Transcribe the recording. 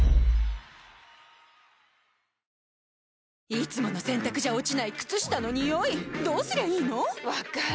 いつもの洗たくじゃ落ちない靴下のニオイどうすりゃいいの⁉分かる。